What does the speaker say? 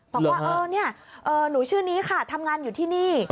บอกว่าหนูชื่อนี้ค่ะทำงานอยู่ที่นี่